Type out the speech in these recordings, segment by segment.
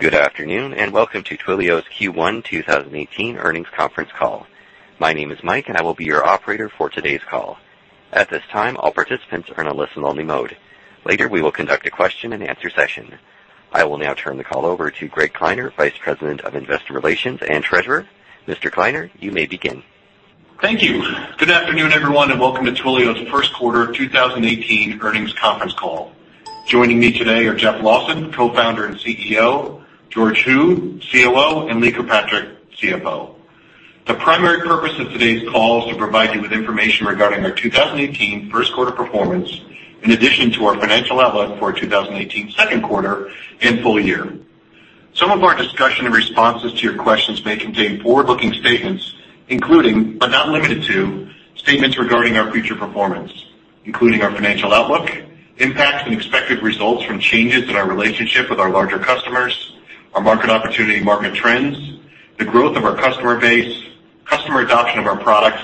Good afternoon. Welcome to Twilio's Q1 2018 earnings conference call. My name is Mike, and I will be your operator for today's call. At this time, all participants are in a listen-only mode. Later, we will conduct a question and answer session. I will now turn the call over to Greg Kleiner, Vice President of Investor Relations and Treasurer. Mr. Kleiner, you may begin. Thank you. Good afternoon, everyone. Welcome to Twilio's first quarter 2018 earnings conference call. Joining me today are Jeff Lawson, Co-founder and CEO, George Hu, COO, and Lee Kirkpatrick, CFO. The primary purpose of today's call is to provide you with information regarding our 2018 first quarter performance, in addition to our financial outlook for 2018 second quarter and full year. Some of our discussion and responses to your questions may contain forward-looking statements, including, but not limited to, statements regarding our future performance, including our financial outlook, impacts and expected results from changes in our relationship with our larger customers, our market opportunity and market trends, the growth of our customer base, customer adoption of our products,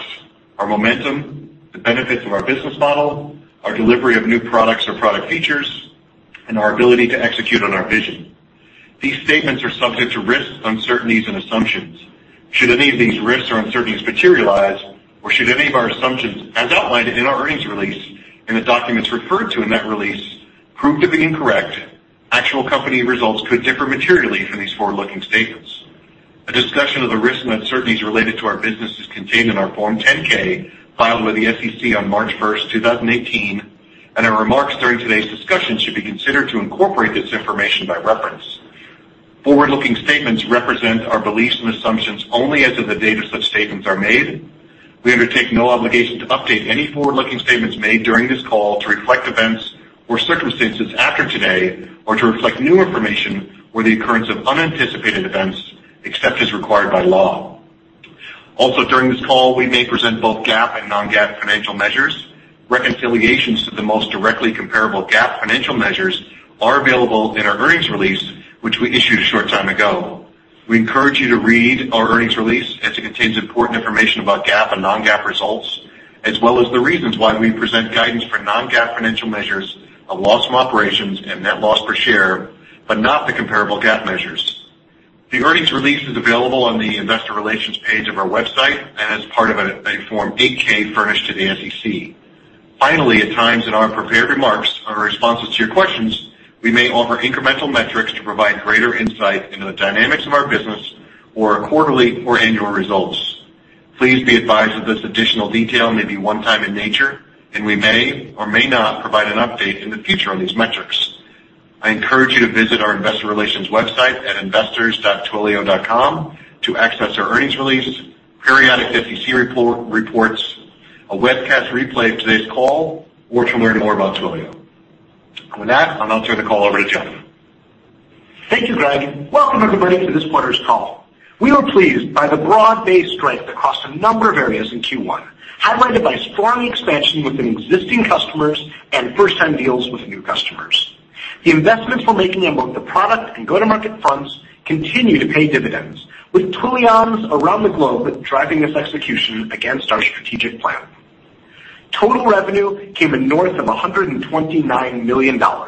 our momentum, the benefits of our business model, our delivery of new products or product features, and our ability to execute on our vision. These statements are subject to risks, uncertainties, and assumptions. Should any of these risks or uncertainties materialize, or should any of our assumptions, as outlined in our earnings release and the documents referred to in that release, prove to be incorrect, actual company results could differ materially from these forward-looking statements. A discussion of the risks and uncertainties related to our business is contained in our Form 10-K filed with the SEC on March 1st, 2018. Our remarks during today's discussion should be considered to incorporate this information by reference. Forward-looking statements represent our beliefs and assumptions only as of the date of such statements are made. We undertake no obligation to update any forward-looking statements made during this call to reflect events or circumstances after today or to reflect new information or the occurrence of unanticipated events, except as required by law. During this call, we may present both GAAP and non-GAAP financial measures. Reconciliations to the most directly comparable GAAP financial measures are available in our earnings release, which we issued a short time ago. We encourage you to read our earnings release as it contains important information about GAAP and non-GAAP results, as well as the reasons why we present guidance for non-GAAP financial measures of loss from operations and net loss per share, but not the comparable GAAP measures. The earnings release is available on the investor relations page of our website and as part of a Form 8-K furnished to the SEC. At times in our prepared remarks or in responses to your questions, we may offer incremental metrics to provide greater insight into the dynamics of our business or our quarterly or annual results. Please be advised that this additional detail may be one-time in nature, and we may or may not provide an update in the future on these metrics. I encourage you to visit our investor relations website at investors.twilio.com to access our earnings release, periodic SEC reports, a webcast replay of today's call, or to learn more about Twilio. With that, I'll now turn the call over to Jeff. Thank you, Greg. Welcome, everybody, to this quarter's call. We were pleased by the broad-based strength across a number of areas in Q1, highlighted by strong expansion within existing customers and first-time deals with new customers. The investments we're making in both the product and go-to-market fronts continue to pay dividends, with Twilions around the globe driving this execution against our strategic plan. Total revenue came in north of $129 million, up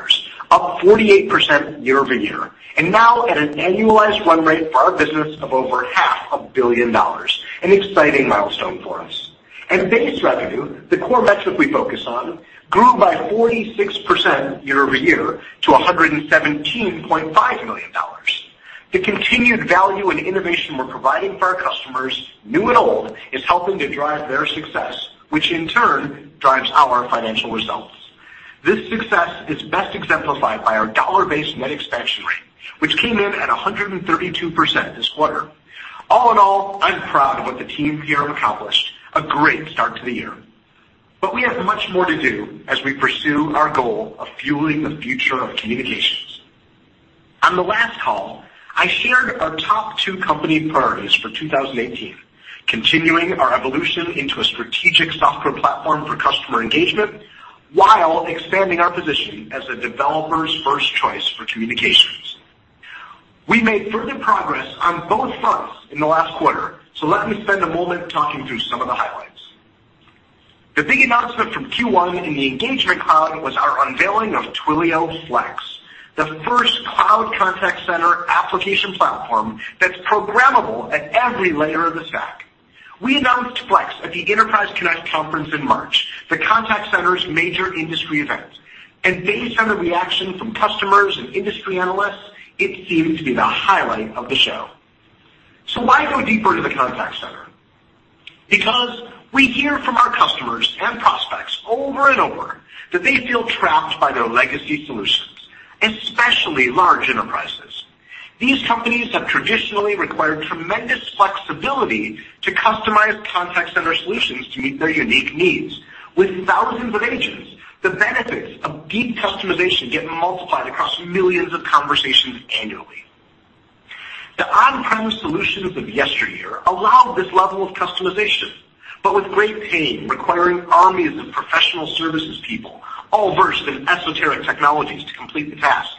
48% year-over-year, now at an annualized run rate for our business of over half a billion dollars, an exciting milestone for us. Base revenue, the core metric we focus on, grew by 46% year-over-year to $117.5 million. The continued value and innovation we're providing for our customers, new and old, is helping to drive their success, which in turn drives our financial results. This success is best exemplified by our dollar-based net expansion rate, which came in at 132% this quarter. All in all, I'm proud of what the team here have accomplished. A great start to the year. We have much more to do as we pursue our goal of fueling the future of communications. On the last call, I shared our top two company priorities for 2018, continuing our evolution into a strategic software platform for customer engagement while expanding our position as a developer's first choice for communications. We made further progress on both fronts in the last quarter, so let me spend a moment talking through some of the highlights. The big announcement from Q1 in the engagement cloud was our unveiling of Twilio Flex, the first cloud contact center application platform that's programmable at every layer of the stack. We announced Flex at the Enterprise Connect conference in March, the contact center's major industry event. Based on the reaction from customers and industry analysts, it seemed to be the highlight of the show. Why go deeper to the contact center? Because we hear from our customers and prospects over and over that they feel trapped by their legacy solutions, especially large enterprises. These companies have traditionally required tremendous flexibility to customize contact center solutions to meet their unique needs. With thousands of agents, the benefits of deep customization get multiplied across millions of conversations annually. The on-premise solutions of yesteryear allowed this level of customization, but with great pain, requiring armies of professional services people, all versed in esoteric technologies to complete the task.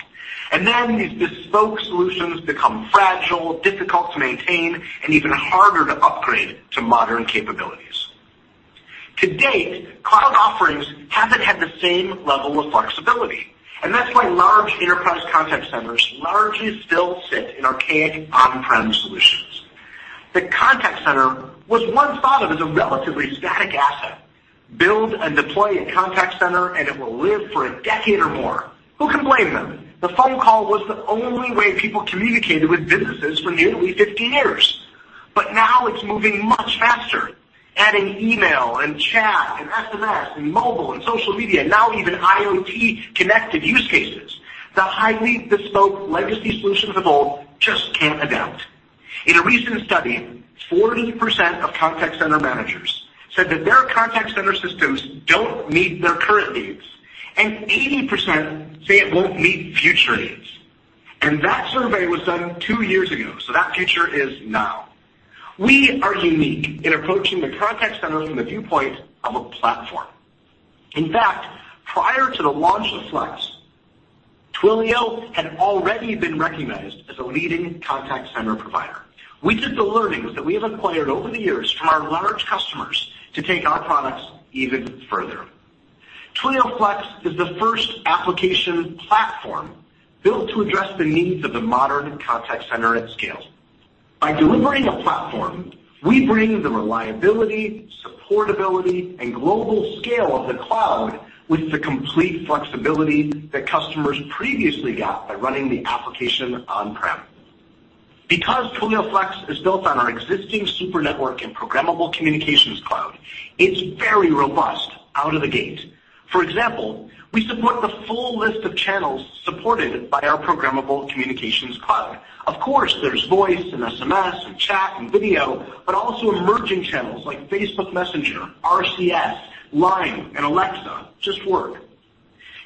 Then these bespoke solutions become fragile, difficult to maintain, and even harder to upgrade to modern capabilities. To date, cloud offerings haven't had the same level of flexibility. That's why large enterprise contact centers largely still sit in archaic on-prem solutions. The contact center was once thought of as a relatively static asset, build and deploy a contact center, and it will live for a decade or more. Who can blame them? The phone call was the only way people communicated with businesses for nearly 50 years. Now it's moving much faster, adding email and chat and SMS and mobile and social media, now even IoT-connected use cases. The highly bespoke legacy solutions of old just can't adapt. In a recent study, 40% of contact center managers said that their contact center systems don't meet their current needs, and 80% say it won't meet future needs. That survey was done two years ago, so that future is now. We are unique in approaching the contact center from the viewpoint of a platform. In fact, prior to the launch of Flex, Twilio had already been recognized as a leading contact center provider. We took the learnings that we have acquired over the years from our large customers to take our products even further. Twilio Flex is the first application platform built to address the needs of the modern contact center at scale. By delivering a platform, we bring the reliability, supportability, and global scale of the cloud with the complete flexibility that customers previously got by running the application on-prem. Because Twilio Flex is built on our existing super network and programmable communications cloud, it's very robust out of the gate. For example, we support the full list of channels supported by our programmable communications cloud. Of course, there's voice and SMS and chat and video, but also emerging channels like Facebook Messenger, RCS, Line, and Alexa just work.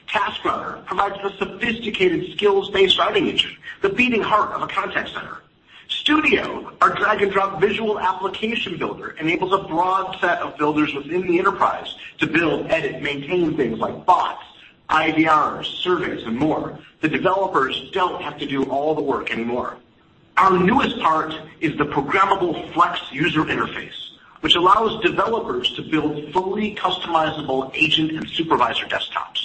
TaskRouter provides the sophisticated skills-based routing engine, the beating heart of a contact center. Studio, our drag-and-drop visual application builder, enables a broad set of builders within the enterprise to build, edit, maintain things like bots, IVRs, surveys, and more. The developers don't have to do all the work anymore. Our newest part is the programmable Flex user interface, which allows developers to build fully customizable agent and supervisor desktops.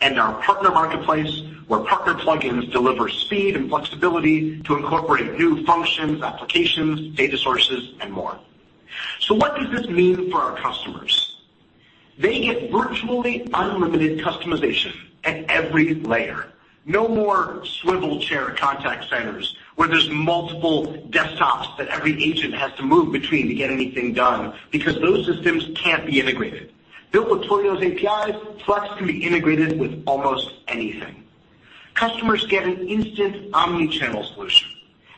Our partner marketplace, where partner plugins deliver speed and flexibility to incorporate new functions, applications, data sources, and more. What does this mean for our customers? They get virtually unlimited customization at every layer. No more swivel chair contact centers where there's multiple desktops that every agent has to move between to get anything done, because those systems can't be integrated. Built with Twilio's APIs, Flex can be integrated with almost anything. Customers get an instant omni-channel solution.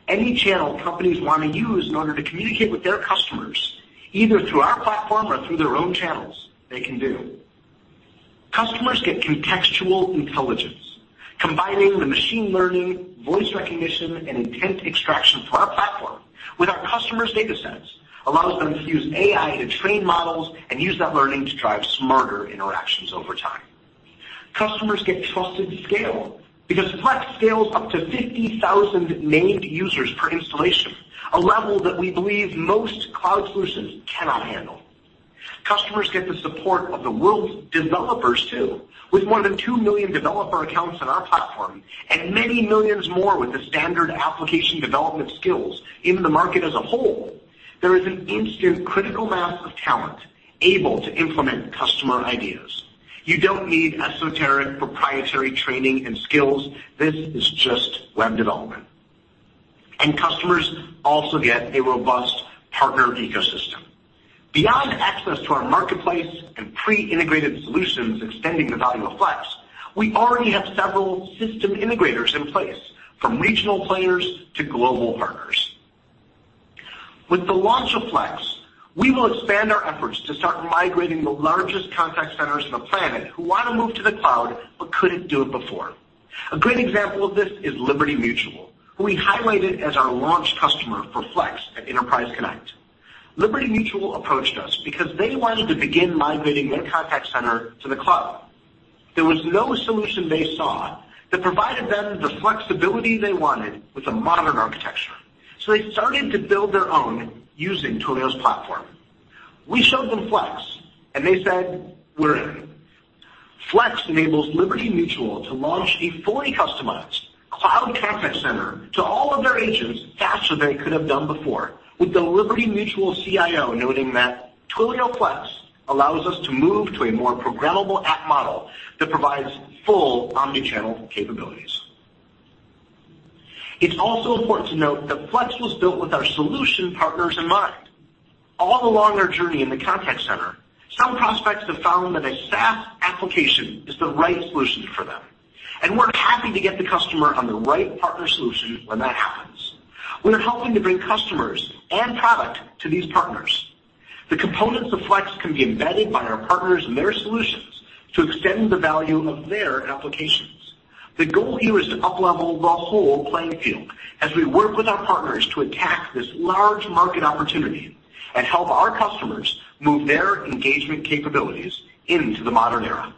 Any channel companies want to use in order to communicate with their customers, either through our platform or through their own channels, they can do. Customers get contextual intelligence, combining the machine learning, voice recognition, and intent extraction for our platform with our customer's data sets, allows them to use AI to train models and use that learning to drive smarter interactions over time. Customers get trusted scale, because Flex scales up to 50,000 named users per installation, a level that we believe most cloud solutions cannot handle. Customers get the support of the world's developers, too. With more than 2 million developer accounts on our platform and many millions more with the standard application development skills in the market as a whole, there is an instant critical mass of talent able to implement customer ideas. You don't need esoteric proprietary training and skills. This is just web development. Customers also get a robust partner ecosystem. Beyond access to our marketplace and pre-integrated solutions extending the value of Flex, we already have several Systems Integrators in place, from regional players to global partners. With the launch of Flex, we will expand our efforts to start migrating the largest contact centers on the planet who want to move to the cloud but couldn't do it before. A great example of this is Liberty Mutual, who we highlighted as our launch customer for Flex at Enterprise Connect. Liberty Mutual approached us because they wanted to begin migrating their contact center to the cloud. There was no solution they saw that provided them the flexibility they wanted with a modern architecture. They started to build their own using Twilio's platform. We showed them Flex, and they said, "We're in." Flex enables Liberty Mutual to launch a fully customized cloud contact center to all of their agents faster than they could have done before, with the Liberty Mutual CIO noting that, "Twilio Flex allows us to move to a more programmable app model that provides full omni-channel capabilities." It's also important to note that Flex was built with our solution partners in mind. All along our journey in the contact center, some prospects have found that a SaaS application is the right solution for them. We're happy to get the customer on the right partner solution when that happens. We're helping to bring customers and product to these partners. The components of Flex can be embedded by our partners and their solutions to extend the value of their applications. The goal here is to up-level the whole playing field as we work with our partners to attack this large market opportunity and help our customers move their engagement capabilities into the modern era.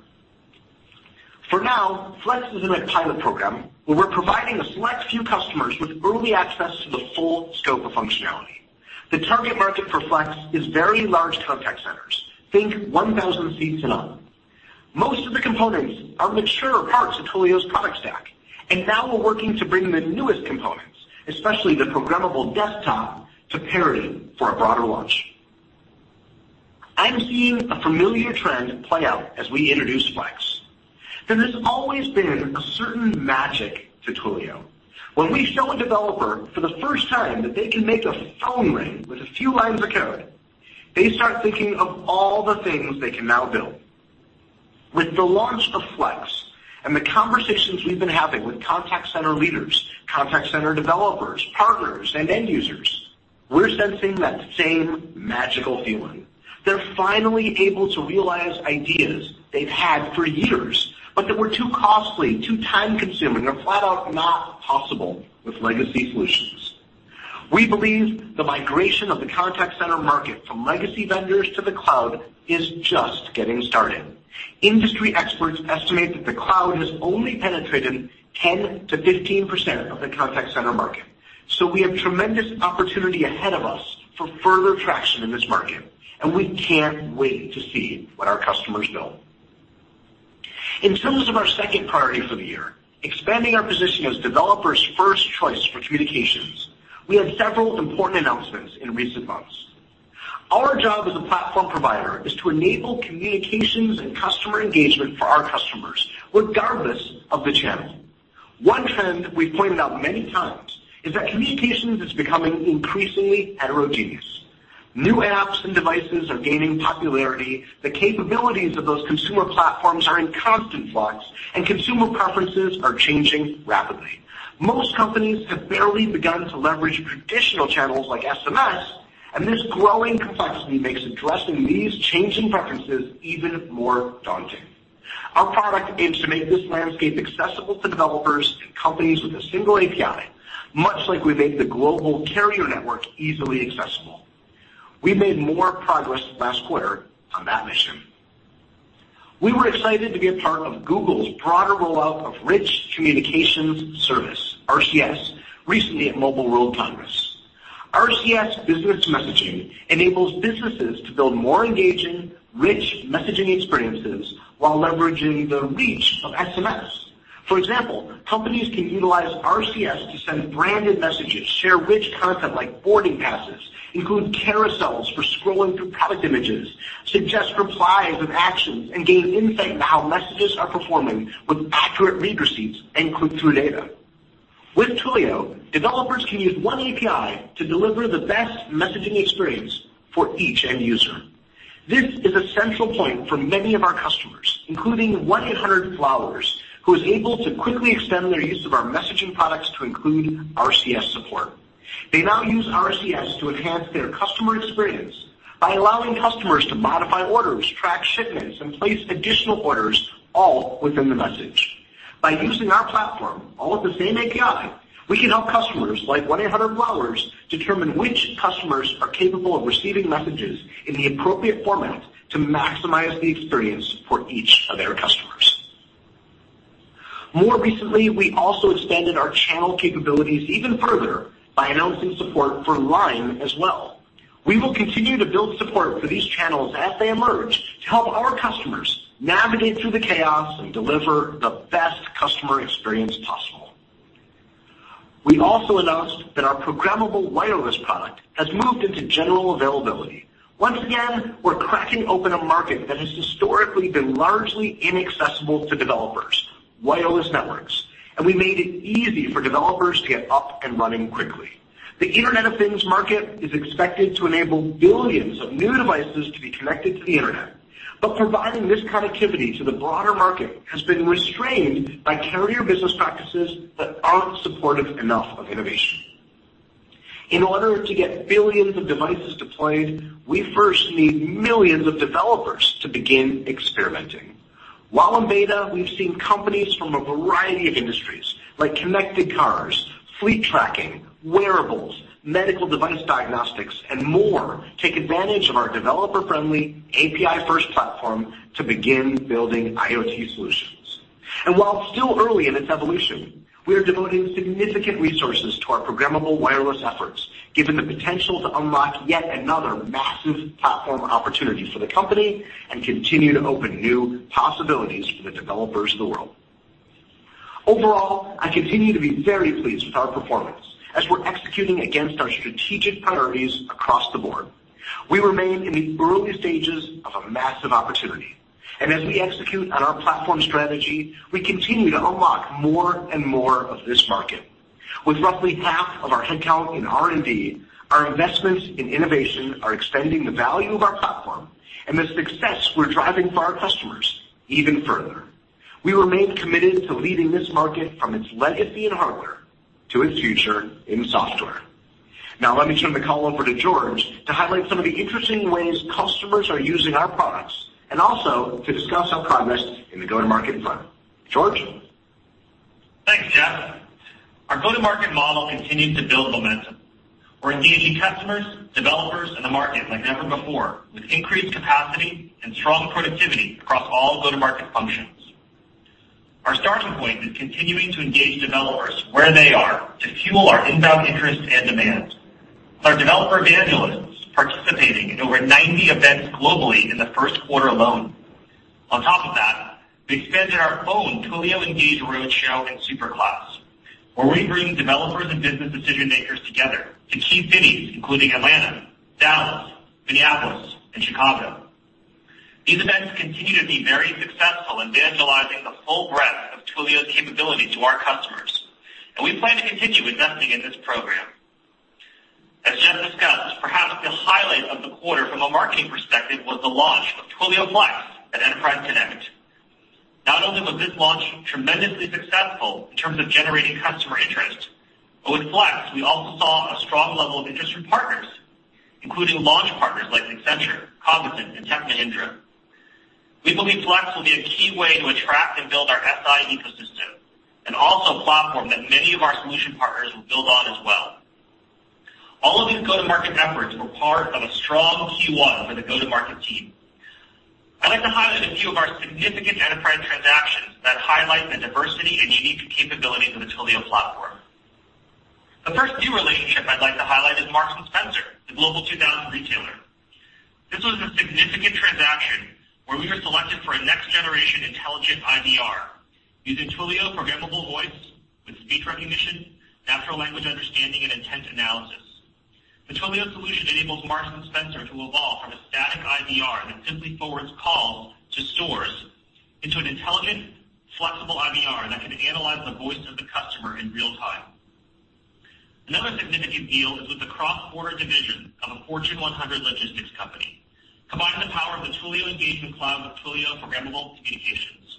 For now, Flex is in a pilot program where we're providing a select few customers with early access to the full scope of functionality. The target market for Flex is very large contact centers. Think 1,000 seats and up. Most of the components are mature parts of Twilio's product stack. Now we're working to bring the newest components, especially the programmable desktop, to parity for a broader launch. I'm seeing a familiar trend play out as we introduce Flex. There has always been a certain magic to Twilio. When we show a developer for the first time that they can make a phone ring with a few lines of code, they start thinking of all the things they can now build. With the launch of Flex and the conversations we've been having with contact center leaders, contact center developers, partners, and end users, we're sensing that same magical feeling. They're finally able to realize ideas they've had for years, that were too costly, too time-consuming, or flat out not possible with legacy solutions. We believe the migration of the contact center market from legacy vendors to the cloud is just getting started. Industry experts estimate that the cloud has only penetrated 10%-15% of the contact center market. We have tremendous opportunity ahead of us for further traction in this market, and we can't wait to see what our customers build. In terms of our second priority for the year, expanding our position as developers' first choice for communications, we had several important announcements in recent months. Our job as a platform provider is to enable communications and customer engagement for our customers, regardless of the channel. One trend we've pointed out many times is that communications is becoming increasingly heterogeneous. New apps and devices are gaining popularity, the capabilities of those consumer platforms are in constant flux, and consumer preferences are changing rapidly. Most companies have barely begun to leverage traditional channels like SMS, and this growing complexity makes addressing these changing preferences even more daunting. Our product aims to make this landscape accessible to developers and companies with a single API, much like we make the global carrier network easily accessible. We made more progress last quarter on that mission. We were excited to be a part of Google's broader rollout of Rich Communication Services, RCS, recently at Mobile World Congress. RCS business messaging enables businesses to build more engaging, rich messaging experiences while leveraging the reach of SMS. For example, companies can utilize RCS to send branded messages, share rich content like boarding passes, include carousels for scrolling through product images, suggest replies with actions, and gain insight into how messages are performing with accurate read receipts and click-through data. With Twilio, developers can use one API to deliver the best messaging experience for each end user. This is a central point for many of our customers, including 1-800-Flowers, who is able to quickly extend their use of our messaging products to include RCS support. They now use RCS to enhance their customer experience by allowing customers to modify orders, track shipments, and place additional orders all within the message. By using our platform, all with the same API, we can help customers like 1-800-Flowers determine which customers are capable of receiving messages in the appropriate format to maximize the experience for each of their customers. More recently, we also expanded our channel capabilities even further by announcing support for Line as well. We will continue to build support for these channels as they emerge to help our customers navigate through the chaos and deliver the best customer experience possible. We also announced that our programmable wireless product has moved into general availability. Once again, we're cracking open a market that has historically been largely inaccessible to developers, wireless networks. We made it easy for developers to get up and running quickly. The Internet of Things market is expected to enable billions of new devices to be connected to the Internet. Providing this connectivity to the broader market has been restrained by carrier business practices that aren't supportive enough of innovation. In order to get billions of devices deployed, we first need millions of developers to begin experimenting. While in beta, we've seen companies from a variety of industries, like connected cars, fleet tracking, wearables, medical device diagnostics, and more, take advantage of our developer-friendly, API-first platform to begin building IoT solutions. While it's still early in its evolution, we are devoting significant resources to our programmable wireless efforts, given the potential to unlock yet another massive platform opportunity for the company and continue to open new possibilities for the developers of the world. Overall, I continue to be very pleased with our performance as we're executing against our strategic priorities across the board. We remain in the early stages of a massive opportunity, as we execute on our platform strategy, we continue to unlock more and more of this market. With roughly half of our headcount in R&D, our investments in innovation are expanding the value of our platform and the success we're driving for our customers even further. We remain committed to leading this market from its legacy in hardware to its future in software. Now, let me turn the call over to George to highlight some of the interesting ways customers are using our products and also to discuss our progress in the go-to-market front. George? Our go-to-market model continues to build momentum. We're engaging customers, developers, and the market like never before, with increased capacity and strong productivity across all go-to-market functions. Our starting point is continuing to engage developers where they are to fuel our inbound interest and demand. Our developer evangelists participating in over 90 events globally in the first quarter alone. On top of that, we expanded our own Twilio Engage roadshow and Superclass, where we bring developers and business decision-makers together in key cities including Atlanta, Dallas, Minneapolis, and Chicago. These events continue to be very successful in evangelizing the full breadth of Twilio's capability to our customers, and we plan to continue investing in this program. As Jeff discussed, perhaps the highlight of the quarter from a marketing perspective was the launch of Twilio Flex at Enterprise Connect. Not only was this launch tremendously successful in terms of generating customer interest, but with Flex, we also saw a strong level of interest from partners, including launch partners like Accenture, Cognizant, and Tech Mahindra. We believe Flex will be a key way to attract and build our SI ecosystem, and also a platform that many of our solution partners will build on as well. All of these go-to-market efforts were part of a strong Q1 for the go-to-market team. I'd like to highlight a few of our significant enterprise transactions that highlight the diversity and unique capabilities of the Twilio platform. The first new relationship I'd like to highlight is Marks & Spencer, the Global 2000 retailer. This was a significant transaction where we were selected for a next generation intelligent IVR using Twilio programmable voice with speech recognition, natural language understanding, and intent analysis. The Twilio solution enables Marks & Spencer to evolve from a static IVR that simply forwards calls to stores into an intelligent, flexible IVR that can analyze the voice of the customer in real time. Another significant deal is with the cross-border division of a Fortune 100 logistics company, combining the power of the Twilio engagement cloud with Twilio programmable communications.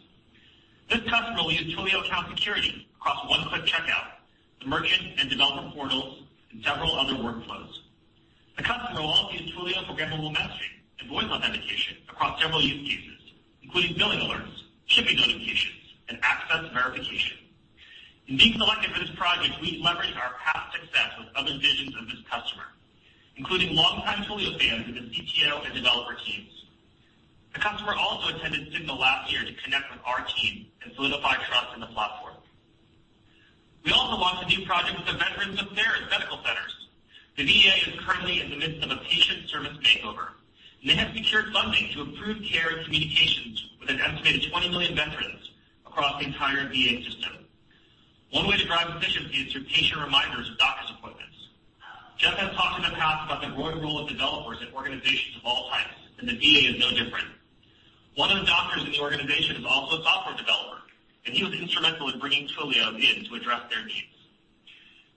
This customer will use Twilio Account Security across one-click checkout, the merchant and developer portals, and several other workflows. The customer will also use Twilio programmable messaging and voice authentication across several use cases, including billing alerts, shipping notifications, and access verification. In being selected for this project, we leveraged our past success with other divisions of this customer, including longtime Twilio fans in the CTO and developer teams. The customer also attended Signal last year to connect with our team and solidify trust in the platform. We also launched a new project with the Veterans Affairs Medical Centers. The VA is currently in the midst of a patient service makeover. They have secured funding to improve care and communications with an estimated 20 million veterans across the entire VA system. One way to drive efficiency is through patient reminders of doctor's appointments. Jeff has talked in the past about the growing role of developers in organizations of all types. The VA is no different. One of the doctors in the organization is also a software developer. He was instrumental in bringing Twilio in to address their needs.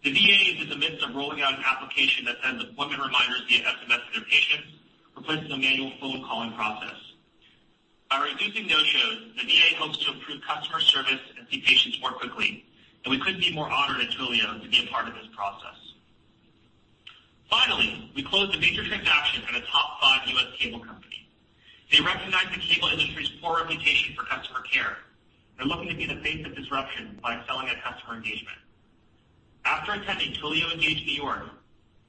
The VA is in the midst of rolling out an application that sends appointment reminders via SMS to their patients, replacing a manual phone calling process. By reducing no-shows, the VA hopes to improve customer service and see patients more quickly. We couldn't be more honored at Twilio to be a part of this process. Finally, we closed a major transaction with a top five U.S. cable company. They recognized the cable industry's poor reputation for customer care. They're looking to be the face of disruption by excelling at customer engagement. After attending Twilio Engage New York,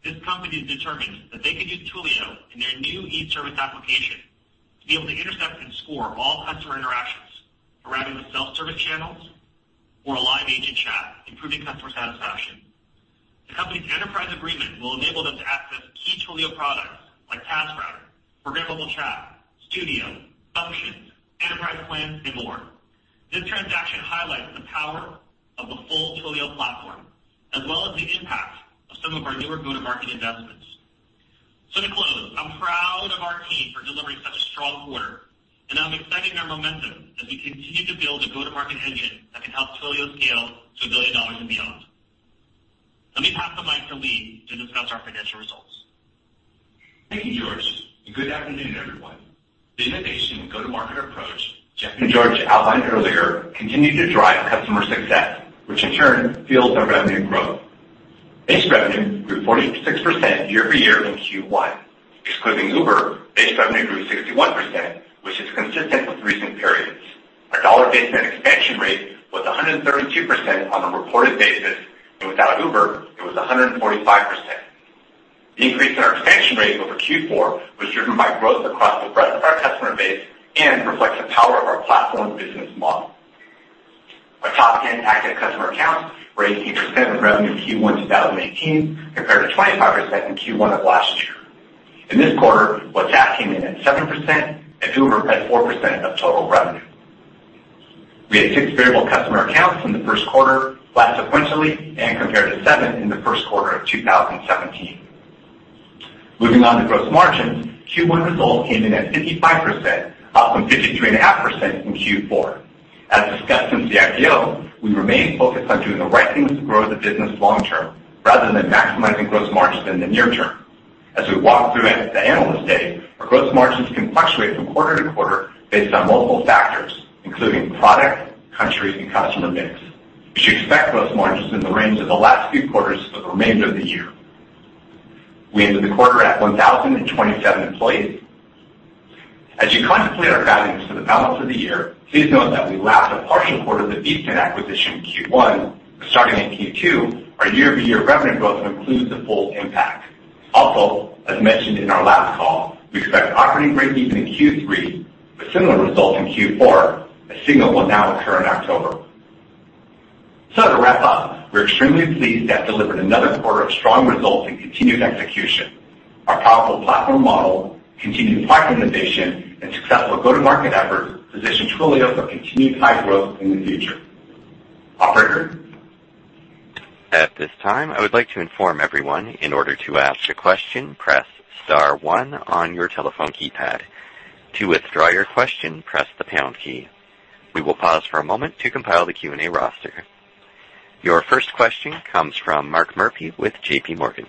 this company determined that they could use Twilio in their new e-service application to be able to intercept and score all customer interactions, whether that be with self-service channels or a live agent chat, improving customer satisfaction. The company's enterprise agreement will enable them to access key Twilio products like TaskRouter, Programmable Chat, Studio, Functions, Enterprise Plans, and more. This transaction highlights the power of the full Twilio platform, as well as the impact of some of our newer go-to-market investments. To close, I'm proud of our team for delivering such a strong quarter. I'm excited in our momentum as we continue to build a go-to-market engine that can help Twilio scale to a billion dollars and beyond. Let me pass the mic to Lee to discuss our financial results. Thank you, George, good afternoon, everyone. The innovation and go-to-market approach Jeff and George outlined earlier continued to drive customer success, which in turn fuels our revenue growth. Base revenue grew 46% year-over-year in Q1. Excluding Uber, base revenue grew 61%, which is consistent with recent periods. Our dollar-based net expansion rate was 132% on a reported basis, without Uber, it was 145%. The increase in our expansion rate over Q4 was driven by growth across the breadth of our customer base and reflects the power of our platform business model. Our top 10 active customer accounts were 18% of revenue in Q1 2018 compared to 25% in Q1 of last year. In this quarter, WhatsApp came in at 7% and Uber at 4% of total revenue. We had 6 variable customer accounts in the first quarter, flat sequentially and compared to 7 in the first quarter of 2017. Moving on to gross margins, Q1 results came in at 55%, up from 53.5% in Q4. As discussed since the IPO, we remain focused on doing the right things to grow the business long term rather than maximizing gross margins in the near term. As we walked through at the Analyst Day, our gross margins can fluctuate from quarter to quarter based on multiple factors, including product, country, and customer mix. We should expect gross margins in the range of the last few quarters for the remainder of the year. We ended the quarter at 1,027 employees. As you contemplate our guidance for the balance of the year, please note that we lacked a partial quarter of the Beepsend acquisition in Q1. Starting in Q2, our year-over-year revenue growth includes the full impact. Also, as mentioned in our last call, we expect operating breakeven in Q3 with similar results in Q4, as Signal will now occur in October. To wrap up, we're extremely pleased to have delivered another quarter of strong results and continued execution. Our powerful platform model, continued product innovation, and successful go-to-market efforts position Twilio for continued high growth in the future. Operator? At this time, I would like to inform everyone in order to ask a question, press star one on your telephone keypad. To withdraw your question, press the pound key. We will pause for a moment to compile the Q&A roster. Your first question comes from Mark Murphy with J.P. Morgan.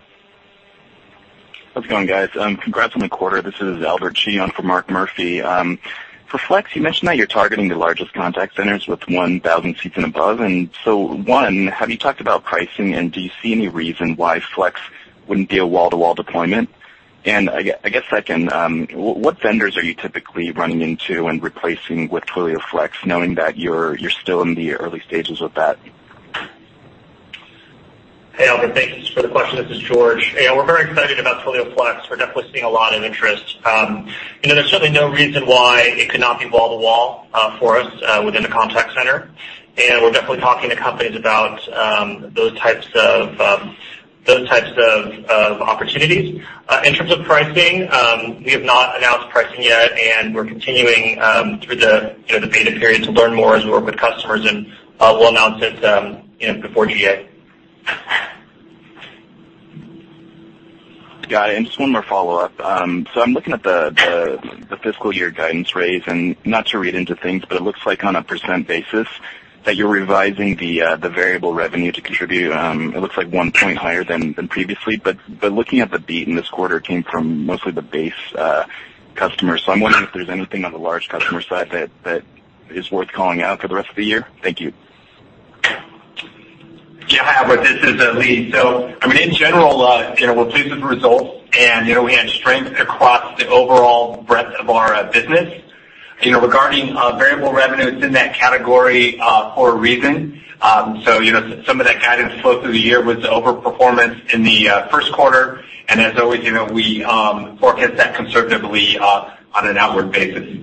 How's it going, guys? Congrats on the quarter. This is Albert Chi for Mark Murphy. For Twilio Flex, you mentioned that you're targeting the largest contact centers with 1,000 seats and above. One, have you talked about pricing, and do you see any reason why Twilio Flex wouldn't be a wall-to-wall deployment? I guess second, what vendors are you typically running into and replacing with Twilio Flex, knowing that you're still in the early stages with that? Hey, Albert. Thanks for the question. This is George. We're very excited about Twilio Flex. We're definitely seeing a lot of interest. There's certainly no reason why it could not be wall-to-wall for us within the contact center, and we're definitely talking to companies about those types of opportunities. In terms of pricing, we have not announced pricing yet, and we're continuing through the beta period to learn more as we work with customers, and we'll announce it before GA. Got it. Just one more follow-up. I'm looking at the fiscal year guidance raise, not to read into things, but it looks like on a percent basis that you're revising the variable revenue to contribute, it looks like one point higher than previously. Looking at the beat in this quarter came from mostly the base customers. I'm wondering if there's anything on the large customer side that is worth calling out for the rest of the year. Thank you. Yeah. Albert, this is Lee. In general, we're pleased with the results, and we had strength across the overall breadth of our business. Regarding variable revenue, it's in that category for a reason. Some of that guidance flow through the year was the over-performance in the first quarter. As always we forecast that conservatively on an outward basis.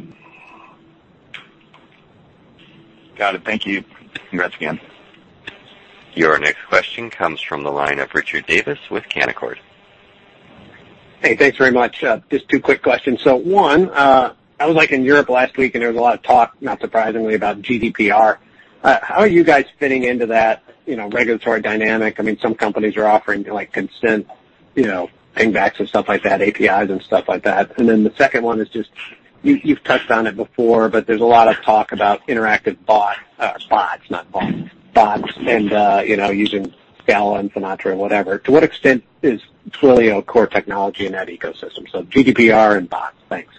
Got it. Thank you. Congrats again. Your next question comes from the line of Richard Davis with Canaccord. Hey, thanks very much. Just two quick questions. One, I was in Europe last week, and there was a lot of talk, not surprisingly, about GDPR. How are you guys fitting into that regulatory dynamic? Some companies are offering consent pingbacks and stuff like that, APIs and stuff like that. The second one is just, you've touched on it before, but there's a lot of talk about interactive bots, not bonds. Bots and using [Scala] and Sinatra and whatever. To what extent is Twilio core technology in that ecosystem? GDPR and bots. Thanks.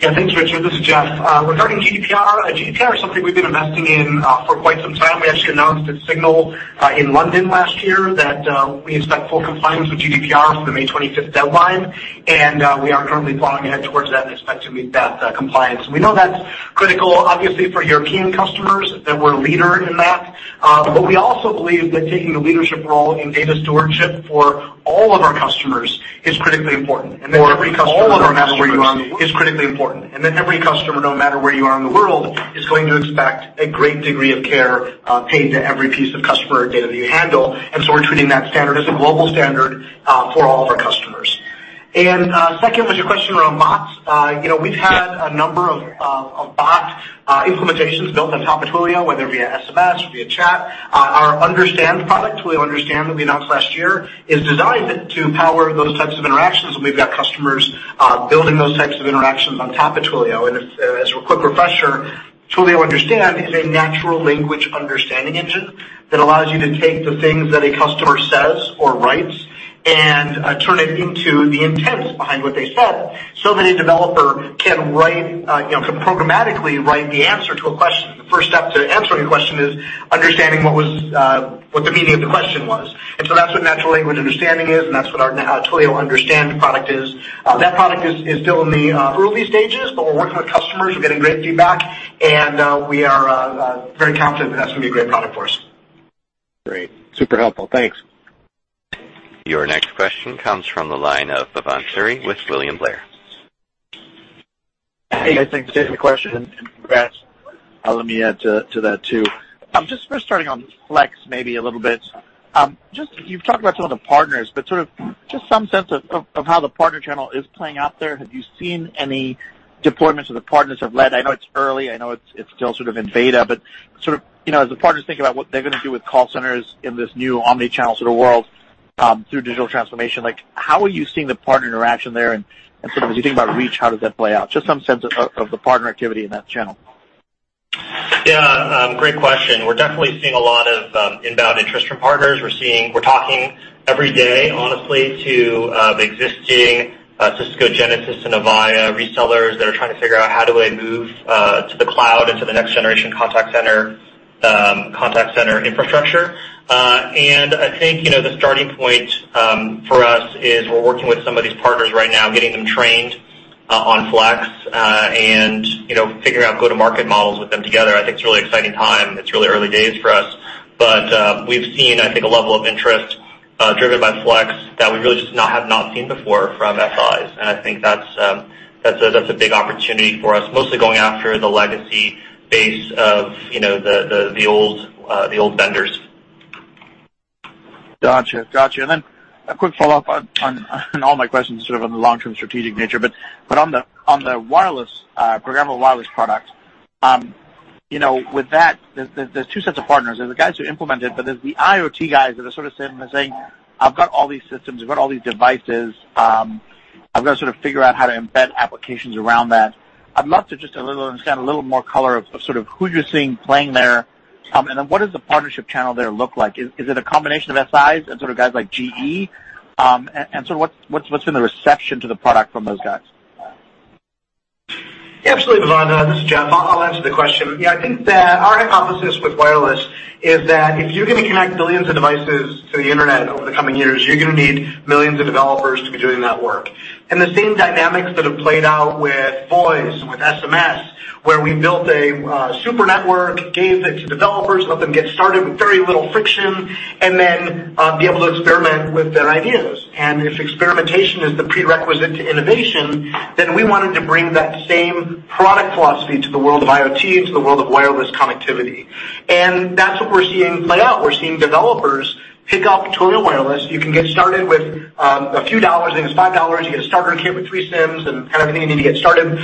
Yeah. Thanks, Richard. This is Jeff. Regarding GDPR is something we've been investing in for quite some time. We actually announced at Signal in London last year that we expect full compliance with GDPR for the May 25th deadline, and we are currently plowing ahead towards that and expect to meet that compliance. We know that's critical, obviously, for European customers, that we're a leader in that. We also believe that taking a leadership role in data stewardship for all of our customers is critically important, and that every customer, no matter where you are in the world, is going to expect a great degree of care paid to every piece of customer data that you handle. We're treating that standard as a global standard for all of our customers. Second was your question around bots. We've had a number of bot implementations built on top of Twilio, whether via SMS or via chat. Our Understand product, Twilio Understand, that we announced last year, is designed to empower those types of interactions, and we've got customers building those types of interactions on top of Twilio. As a quick refresher, Twilio Understand is a natural language understanding engine that allows you to take the things that a customer says or writes and turn it into the intents behind what they said so that a developer can programmatically write the answer to a question. The first step to answering a question is understanding what the meaning of the question was. That's what natural language understanding is, and that's what our Twilio Understand product is. That product is still in the early stages, but we're working with customers. We're getting great feedback, and we are very confident that that's going to be a great product for us. Great. Super helpful. Thanks. Your next question comes from the line of Bhavan Suri with William Blair. Hey, thanks. Same question. Congrats. Let me add to that, too. Just starting on Flex maybe a little bit. You've talked about some of the partners, just some sense of how the partner channel is playing out there. Have you seen any deployments that the partners have led? I know it's early. I know it's still in beta. As the partners think about what they're going to do with call centers in this new omni-channel world through digital transformation, how are you seeing the partner interaction there? As you think about reach, how does that play out? Just some sense of the partner activity in that channel. Yeah. Great question. We're definitely seeing a lot of inbound interest from partners. We're talking every day, honestly, to the existing Cisco, Genesys, and Avaya resellers that are trying to figure out how do I move to the cloud and to the next generation contact center infrastructure. I think the starting point for us is we're working with some of these partners right now, getting them trained on Flex and figuring out go-to-market models with them together. I think it's a really exciting time. It's really early days for us. We've seen, I think, a level of interest driven by Flex that we really just have not seen before from SIs. I think that's a big opportunity for us, mostly going after the legacy base of the old vendors. Got you. A quick follow-up on all my questions sort of on the long-term strategic nature, but on the Programmable Wireless product, with that, there's 2 sets of partners. There's the guys who implement it. There's the IoT guys that are sort of saying, "I've got all these systems. I've got all these devices. I've got to sort of figure out how to embed applications around that." I'd love to just understand a little more color of sort of who you're seeing playing there. What does the partnership channel there look like? Is it a combination of SIs and sort of guys like GE? What's been the reception to the product from those guys? Yeah, absolutely, Bhavan. This is Jeff. I'll answer the question. Yeah, I think that our hypothesis with wireless is that if you're going to connect billions of devices to the internet over the coming years, you're going to need millions of developers to be doing that work. The same dynamics that have played out with voice, with SMS, where we built a super network, gave it to developers, let them get started with very little friction, then be able to experiment with their ideas. If experimentation is the prerequisite to innovation, then we wanted to bring that same product philosophy to the world of IoT and to the world of wireless connectivity. That's what we're seeing play out. We're seeing developers pick up Twilio Wireless. You can get started with a few dollars. I think it's $5. You get a starter kit with three SIMs and kind of everything you need to get started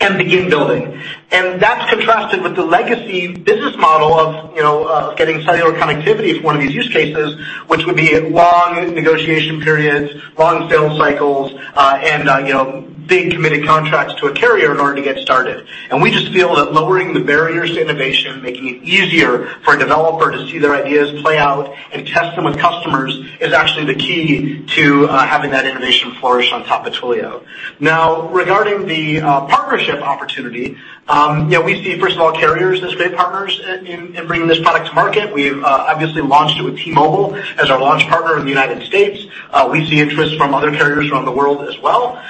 and begin building. That's contrasted with the legacy business model of getting cellular connectivity for one of these use cases, which would be long negotiation periods, long sales cycles, and big committed contracts to a carrier in order to get started. We just feel that lowering the barriers to innovation, making it easier for a developer to see their ideas play out and test them with customers, is actually the key to having that innovation flourish on top of Twilio. Now, regarding the partnership opportunity, we see, first of all, carriers as great partners in bringing this product to market. We've obviously launched it with T-Mobile as our launch partner in the United States. We see interest from other carriers around the world as well.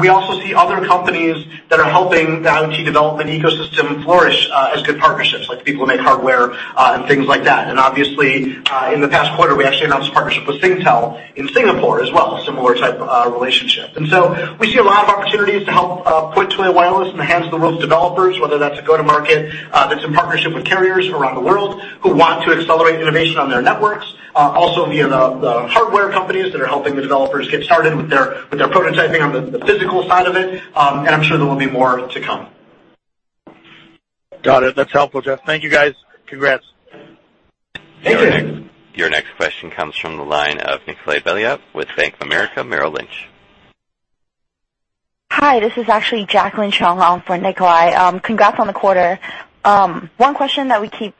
We also see other companies that are helping the IoT development ecosystem flourish as good partnerships, like people who make hardware and things like that. Obviously, in the past quarter, we actually announced a partnership with Singtel in Singapore as well, similar type of relationship. We see a lot of opportunities to help put Twilio Wireless in the hands of the world's developers, whether that's a go-to-market that's in partnership with carriers around the world who want to accelerate innovation on their networks. Also via the hardware companies that are helping the developers get started with their prototyping on the physical side of it, and I'm sure there will be more to come. Got it. That's helpful, Jeff. Thank you, guys. Congrats. Thank you. Your next question comes from the line of Nikolay Beliov with Bank of America Merrill Lynch. Hi, this is actually Jacqueline Chung on for Nikolay. Congrats on the quarter. One question that we keep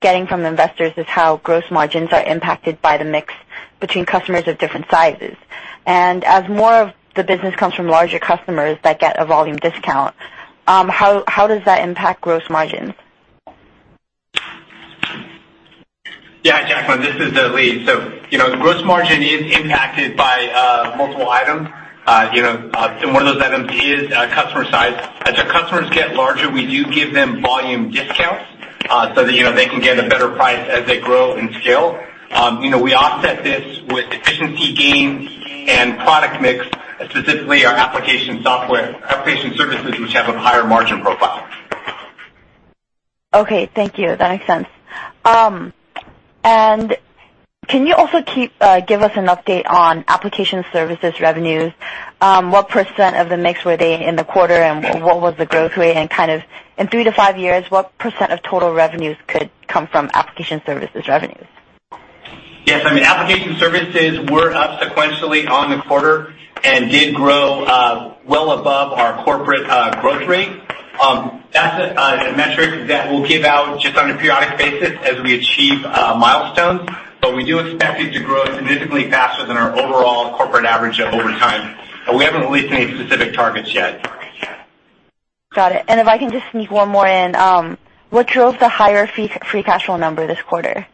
getting from the investors is how gross margins are impacted by the mix between customers of different sizes. As more of the business comes from larger customers that get a volume discount, how does that impact gross margins? Yeah. Jacqueline, this is Lee. The gross margin is impacted by multiple items. One of those items is customer size. As our customers get larger, we do give them volume discounts, so that they can get a better price as they grow and scale. We offset this with efficiency gains and product mix, specifically our application services, which have a higher margin profile. Okay. Thank you. That makes sense. Can you also give us an update on application services revenues? What % of the mix were they in the quarter, and what was the growth rate? Kind of in three to five years, what % of total revenues could come from application services revenues? Yes. I mean, application services were up sequentially on the quarter and did grow well above our corporate growth rate. That's a metric that we'll give out just on a periodic basis as we achieve milestones. We do expect it to grow significantly faster than our overall corporate average over time. We haven't released any specific targets yet. Got it. If I can just sneak one more in. What drove the higher free cash flow number this quarter?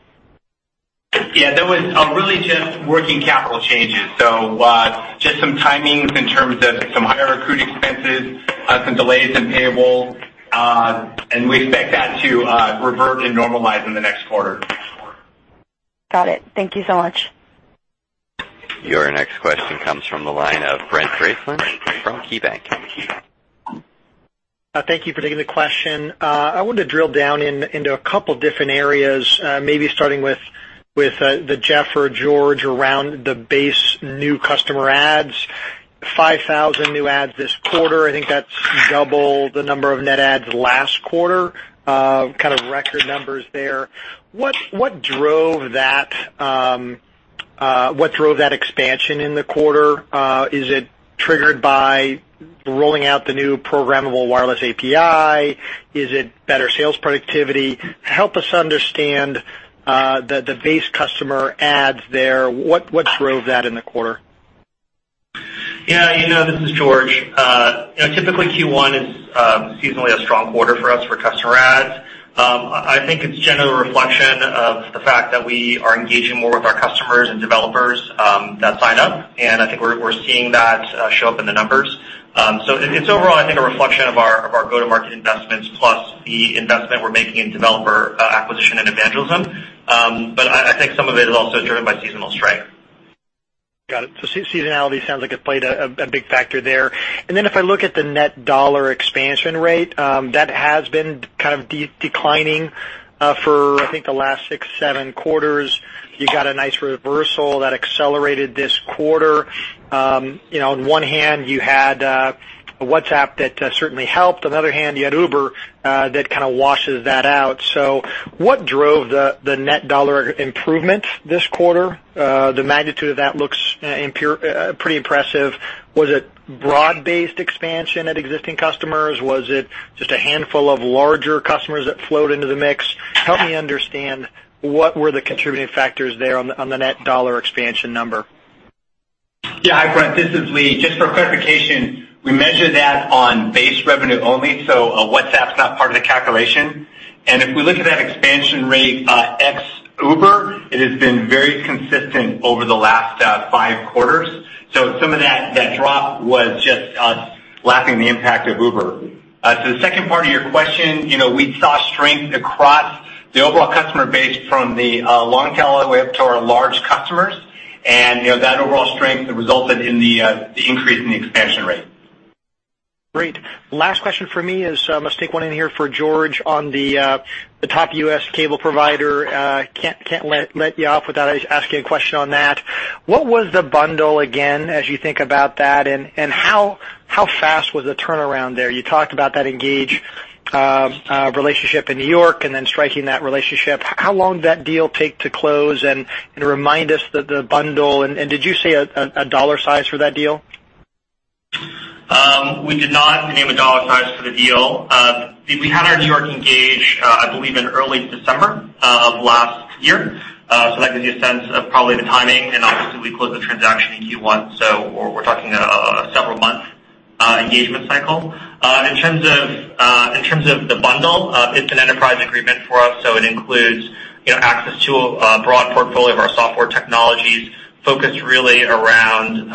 Yeah, that was really just working capital changes. Just some timings in terms of some higher accrued expenses, some delays in payables, we expect that to revert and normalize in the next quarter. Got it. Thank you so much. Your next question comes from the line of Brent Bracelin from KeyBanc. Thank you for taking the question. I wanted to drill down into a couple different areas, maybe starting with Jeff or George around the base new customer adds. 5,000 new adds this quarter. I think that's double the number of net adds last quarter. Kind of record numbers there. What drove that expansion in the quarter? Is it triggered by rolling out the new Twilio Programmable Wireless API? Is it better sales productivity? Help us understand the base customer adds there. What drove that in the quarter? Yeah. This is George. Typically, Q1 is seasonally a strong quarter for us for customer adds. I think it's generally a reflection of the fact that we are engaging more with our customers and developers that sign up, and I think we're seeing that show up in the numbers. It's overall, I think, a reflection of our go-to-market investments, plus the investment we're making in developer acquisition and evangelism. I think some of it is also driven by seasonal strength. Got it. Seasonality sounds like it played a big factor there. If I look at the net dollar expansion rate, that has been kind of declining for I think the last six, seven quarters. You got a nice reversal that accelerated this quarter. On one hand, you had WhatsApp that certainly helped. On the other hand, you had Uber that kind of washes that out. What drove the net dollar improvement this quarter? The magnitude of that looks pretty impressive. Was it broad-based expansion at existing customers? Was it just a handful of larger customers that flowed into the mix? Help me understand what were the contributing factors there on the net dollar expansion number. Hi, Brent, this is Lee. Just for clarification, we measure that on base revenue only, so WhatsApp's not part of the calculation. If we look at that expansion rate ex Uber, it has been very consistent over the last five quarters. Some of that drop was just lacking the impact of Uber. To the second part of your question, we saw strength across the overall customer base from the long tail all the way up to our large customers. That overall strength resulted in the increase in the expansion rate. Great. Last question from me is, let's take one in here for George on the top U.S. cable provider. Can't let you off without asking a question on that. What was the bundle again as you think about that, and how fast was the turnaround there? You talked about that Engage relationship in New York and then striking that relationship. How long did that deal take to close, and remind us the bundle, and did you say a dollar size for that deal? We did not name a dollar size for the deal. We had our New York Engage, I believe, in early December of last year. That gives you a sense of probably the timing, and obviously we closed the transaction in Q1, so we're talking a several-month engagement cycle. In terms of the bundle, it's an enterprise agreement for us, so it includes access to a broad portfolio of our software technologies focused really around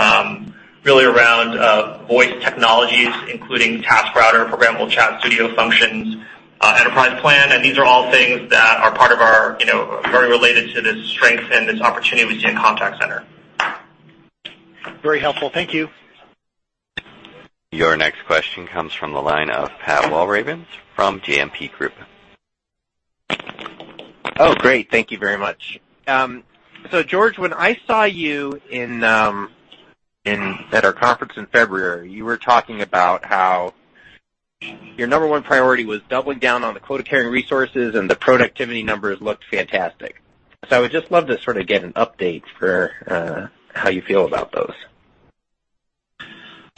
voice technologies, including TaskRouter, Programmable Chat, Twilio Studio, Twilio Functions, Twilio Enterprise Plan. These are all things that are very related to this strength and this opportunity we see in contact center. Very helpful. Thank you. Your next question comes from the line of Pat Walravens from JMP Group. Oh, great. Thank you very much. George, when I saw you at our conference in February, you were talking about how your number 1 priority was doubling down on the quota-carrying resources, and the productivity numbers looked fantastic. I would just love to sort of get an update for how you feel about those.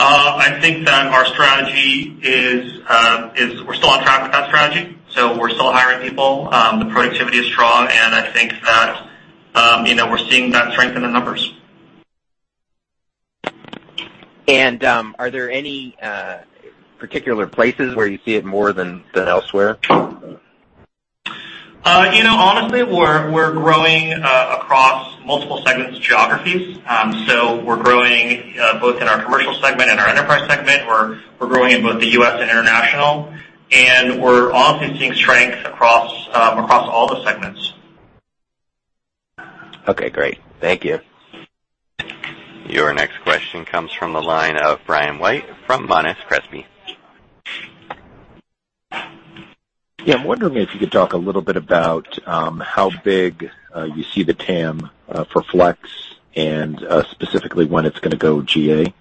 I think that our strategy is we're still on track with that strategy. We're still hiring people. The productivity is strong, and I think that we're seeing that strength in the numbers. Are there any particular places where you see it more than elsewhere? Honestly, we're growing across multiple segments geographies. We're growing both in our commercial segment and our enterprise segment. We're growing in both the U.S. and international, we're honestly seeing strength across all the segments. Okay, great. Thank you. Your next question comes from the line of Brian White from Monness, Crespi. Yeah. I'm wondering if you could talk a little bit about how big you see the TAM for Flex and specifically when it's going to go GA.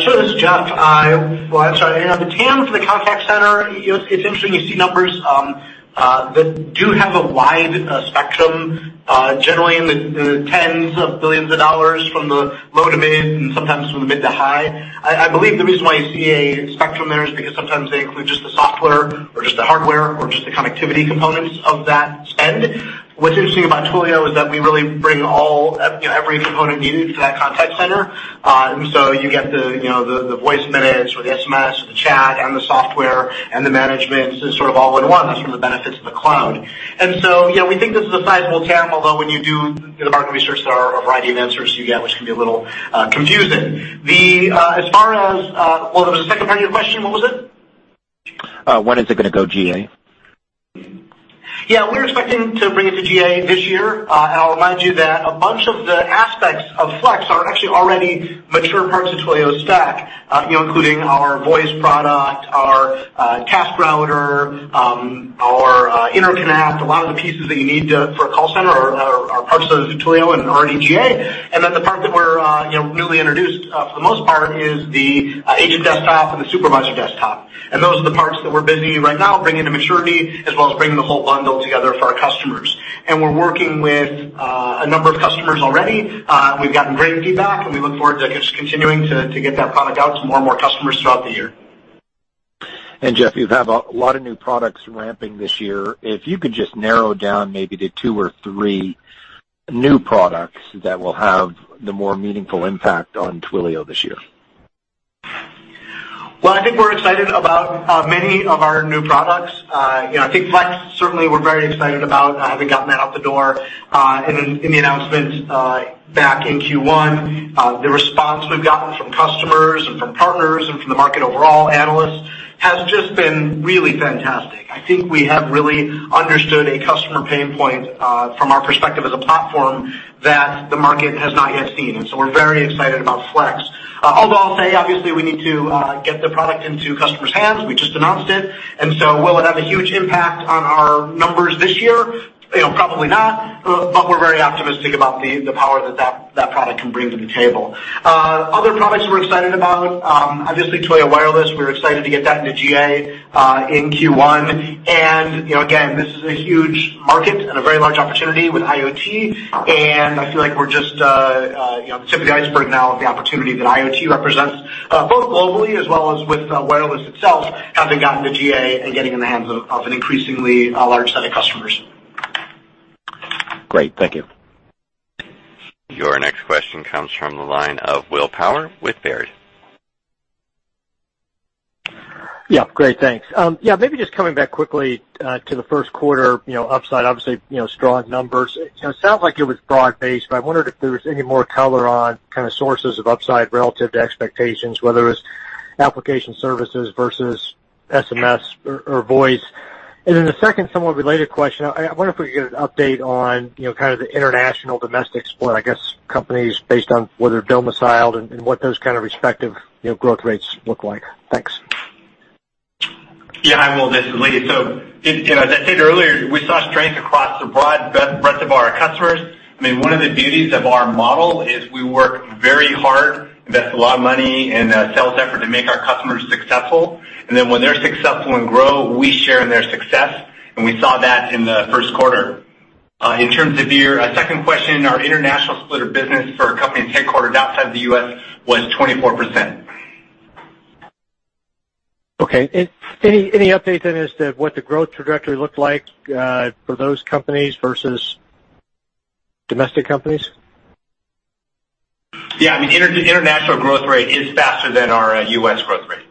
Sure. This is Jeff. I'm sorry. The TAM for the contact center, it's interesting, you see numbers that do have a wide spectrum, generally in the tens of billions of dollars from the low to mid and sometimes from the mid to high. I believe the reason why you see a spectrum there is because sometimes they include just the software or just the hardware or just the connectivity components of that spend. What's interesting about Twilio is that we really bring every component needed to that contact center. You get the voice minutes or the SMS or the chat and the software and the management. It's sort of all in one. That's one of the benefits of the cloud. Yeah, we think this is a sizable TAM, although when you do the market research, there are a variety of answers you get, which can be a little confusing. There was a second part of your question. What was it? When is it going to go GA? Yeah. We're expecting to bring it to GA this year. I'll remind you that a bunch of the aspects of Flex are actually already mature parts of Twilio's stack including our voice product, our TaskRouter, our interconnect. A lot of the pieces that you need for a call center are parts of Twilio and already GA. Then the part that we're newly introduced, for the most part, is the agent desktop and the supervisor desktop. Those are the parts that we're busy right now bringing to maturity, as well as bringing the whole bundle together for our customers. We're working with a number of customers already. We've gotten great feedback, and we look forward to just continuing to get that product out to more and more customers throughout the year. Jeff, you have a lot of new products ramping this year. If you could just narrow down maybe to two or three new products that will have the more meaningful impact on Twilio this year. Well, I think we're excited about many of our new products. I think Flex, certainly we're very excited about having gotten that out the door in the announcement back in Q1. The response we've gotten from customers and from partners and from the market overall, analysts, has just been really fantastic. I think we have really understood a customer pain point from our perspective as a platform that the market has not yet seen. We're very excited about Flex. Although I'll say, obviously we need to get the product into customers' hands. We just announced it. Will it have a huge impact on our numbers this year? Probably not, but we're very optimistic about the power that product can bring to the table. Other products we're excited about, obviously Twilio Programmable Wireless. We're excited to get that into GA in Q1. Again, this is a huge market and a very large opportunity with IoT, and I feel like we're just the tip of the iceberg now with the opportunity that IoT represents, both globally as well as with wireless itself, having gotten to GA and getting in the hands of an increasingly large set of customers. Great. Thank you. Your next question comes from the line of William Power with Baird. Yeah. Great, thanks. Maybe just coming back quickly to the first quarter upside, obviously, strong numbers. It sounds like it was broad-based, but I wondered if there was any more color on sources of upside relative to expectations, whether it was application services versus SMS or voice. The second somewhat related question, I wonder if we could get an update on the international domestic split, I guess, companies based on where they're domiciled and what those kind of respective growth rates look like. Thanks. Yeah, hi, Will. This is Lee. As I stated earlier, we saw strength across the broad breadth of our customers. One of the beauties of our model is we work very hard, invest a lot of money in a sales effort to make our customers successful, and then when they're successful and grow, we share in their success, and we saw that in the first quarter. In terms of your second question, our international split of business for companies headquartered outside of the U.S. was 24%. Okay. Any update as to what the growth trajectory looked like for those companies versus domestic companies? Yeah, international growth rate is faster than our U.S. growth rate.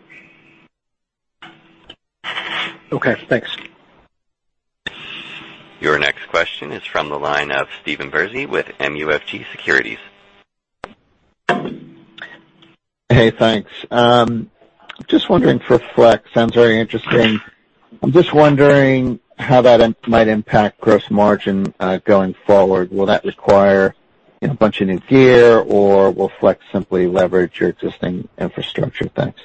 Okay, thanks. Your next question is from the line of Stephen Bersey with MUFG Securities. Hey, thanks. Just wondering for Flex, sounds very interesting. I'm just wondering how that might impact gross margin going forward. Will that require a bunch of new gear, or will Flex simply leverage your existing infrastructure? Thanks.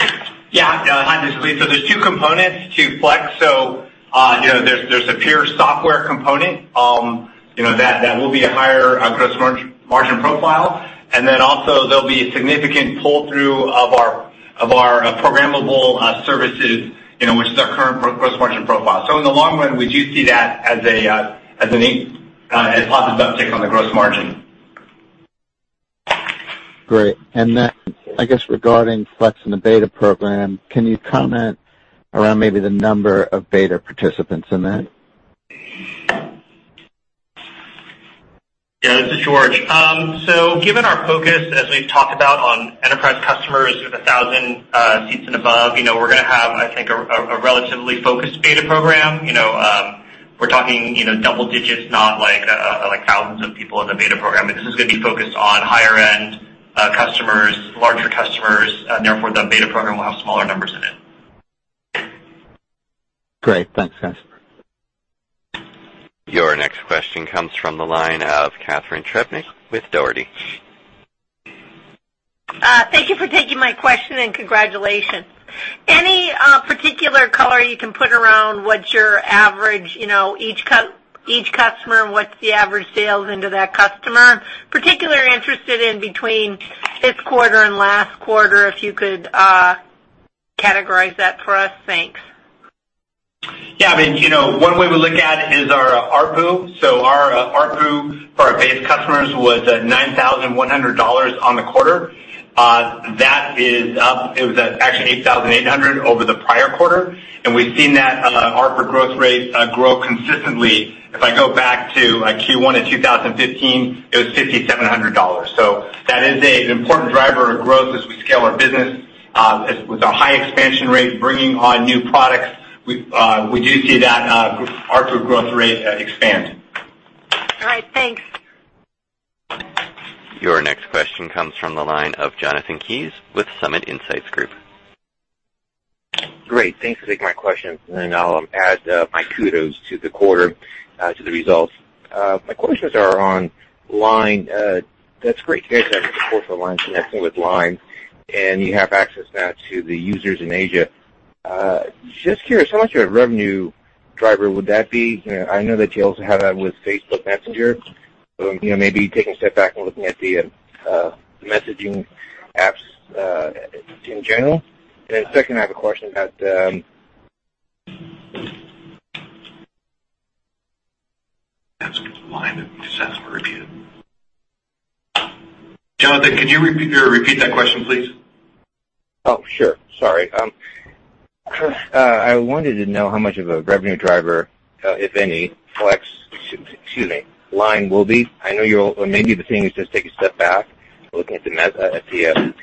Hi, this is Lee. There's two components to Flex. There's a pure software component that will be a higher gross margin profile, and then also there'll be a significant pull-through of our programmable services, which is our current gross margin profile. In the long run, we do see that as a positive uptick on the gross margin. Great. I guess regarding Flex and the beta program, can you comment around maybe the number of beta participants in that? This is George. Given our focus, as we've talked about on enterprise customers with 1,000 seats and above, we're going to have, I think, a relatively focused beta program. We're talking double digits, not like thousands of people in the beta program. This is going to be focused on higher-end customers, larger customers, therefore the beta program will have smaller numbers in it. Great. Thanks, guys. Your next question comes from the line of Catharine Trebnick with Dougherty. Thank you for taking my question and congratulations. Any particular color you can put around what's your average, each customer and what's the average sales into that customer? Particularly interested in between this quarter and last quarter, if you could categorize that for us. Thanks. Yeah. One way we look at it is our ARPU. Our ARPU for our base customers was $9,100 on the quarter. That is up. It was actually $8,800 over the prior quarter, and we've seen that ARPU growth rate grow consistently. If I go back to Q1 in 2015, it was $5,700. That is an important driver of growth as we scale our business. With our high expansion rate, bringing on new products, we do see that ARPU growth rate expand. All right, thanks. Your next question comes from the line of Jonathan Kees with Summit Insights Group. Great. Thanks for taking my question, I'll add my kudos to the quarter, to the results. My questions are on Line. That's great to hear you guys have support for Line connecting with Twilio, you have access now to the users in Asia. Just curious, how much of a revenue driver would that be? I know that you also have that with Facebook Messenger, maybe taking a step back looking at the messaging apps in general. Second, I have a question about- Jonathan, can you repeat that question, please? Oh, sure. Sorry. I wanted to know how much of a revenue driver, if any, Twilio Flex Messaging Line will be. Maybe the thing is just take a step back looking at the messaging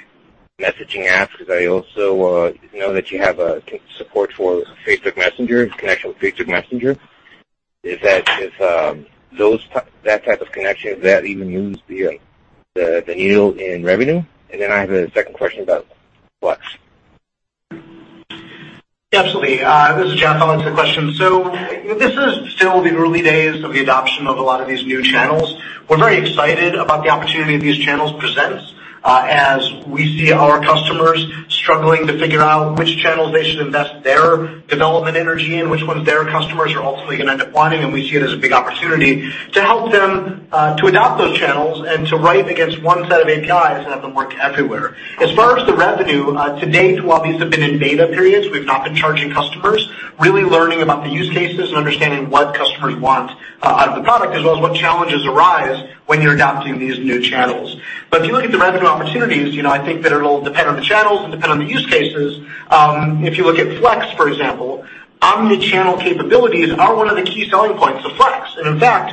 apps, because I also know that you have support for Facebook Messenger, connection with Facebook Messenger. Is that type of connection, does that even move the needle in revenue? I have a second question about Twilio Flex. Absolutely. This is Jeff. I'll answer the question. This is still the early days of the adoption of a lot of these new channels. We're very excited about the opportunity these channels present, as we see our customers struggling to figure out which channels they should invest their development energy in, which ones their customers are ultimately going to end up wanting. We see it as a big opportunity to help them to adopt those channels and to write against one set of APIs and have them work everywhere. As far as the revenue, to date, while these have been in beta periods, we've not been charging customers, really learning about the use cases and understanding what customers want out of the product, as well as what challenges arise when you're adopting these new channels. If you look at the revenue opportunities, I think that it'll depend on the channels and depend on the use cases. If you look at Flex, for example, omni-channel capabilities are one of the key selling points of Flex. In fact,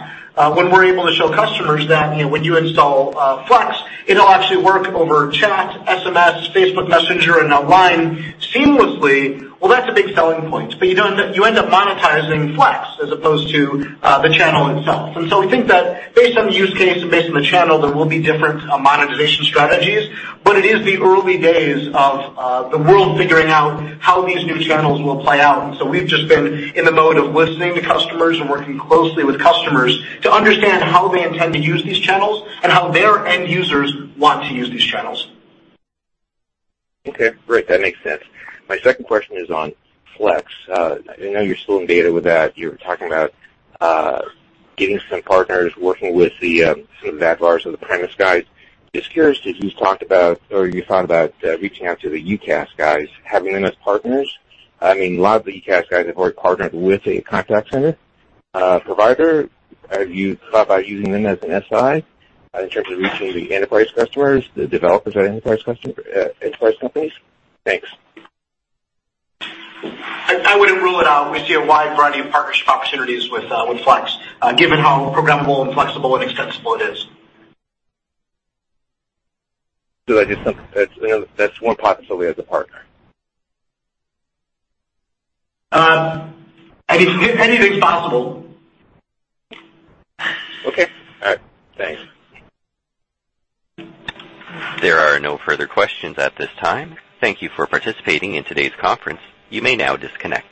when we're able to show customers that when you install Flex, it'll actually work over chat, SMS, Facebook Messenger, and now Line seamlessly, that's a big selling point. You end up monetizing Flex as opposed to the channel itself. We think that based on the use case and based on the channel, there will be different monetization strategies. It is the early days of the world figuring out how these new channels will play out. We've just been in the mode of listening to customers and working closely with customers to understand how they intend to use these channels and how their end users want to use these channels. Okay, great. That makes sense. My second question is on Flex. I know you're still in beta with that. You were talking about getting some partners, working with some of the Avaya or the premise guys. Just curious, did you thought about reaching out to the UCaaS guys, having them as partners? A lot of the UCaaS guys have already partnered with a contact center provider. Have you thought about using them as an SI in terms of reaching the enterprise customers, the developers at enterprise companies? Thanks. I wouldn't rule it out. We see a wide variety of partnership opportunities with Flex, given how programmable and flexible and extensible it is. That's one possibility as a partner. Anything's possible. Okay. All right. Thanks. There are no further questions at this time. Thank you for participating in today's conference. You may now disconnect.